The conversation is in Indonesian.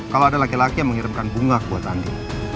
kalau ada laki laki yang mengirimkan bunga buat andi